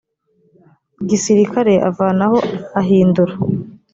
gisirikare avanaho ahindura